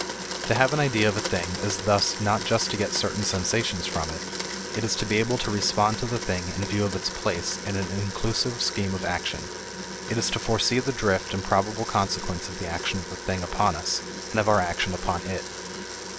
To have an idea of a thing is thus not just to get certain sensations from it. It is to be able to respond to the thing in view of its place in an inclusive scheme of action; it is to foresee the drift and probable consequence of the action of the thing upon us and of our action upon it.